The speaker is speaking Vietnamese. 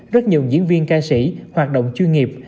rất nhiều diễn viên ca sĩ hoạt động chuyên nghiệp